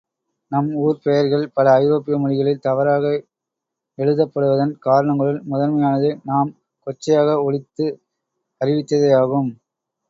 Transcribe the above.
நம் ஊர்ப் பெயர்கள் பல, ஐரோப்பிய மொழிகளில் தவறாக எழுதப்படுவதன் காரணங்களுள் முதன்மையானது, நாம் கொச்சையாக ஒலித்து அறிவித்ததேயாகும்.